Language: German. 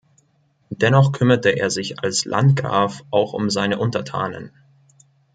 Dennoch kümmerte er sich als Landgraf auch um seine Untertanen.